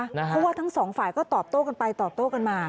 เพราะว่าทั้งสองฝ่ายก็ตอบโต้กันไปตอบโต้กันมา